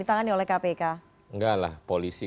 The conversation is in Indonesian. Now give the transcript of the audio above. ditangani oleh kpk enggak lah polisi